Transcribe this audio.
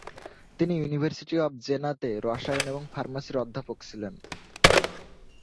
তিনি university of জেনা-তে রসায়ন এবং ফার্মাসির অধ্যাপক ছিলেন।